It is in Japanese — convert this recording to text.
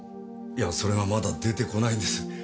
いやそれがまだ出てこないんです。